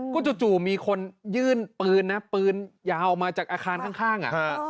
ก็จู่มีคนยื่นปืนนะปืนยาวมาจากอาคารข้าง